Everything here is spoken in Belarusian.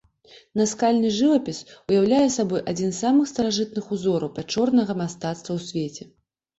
Наскальны жывапіс уяўляе сабой адзін з самых старажытных узораў пячорнага мастацтва ў свеце.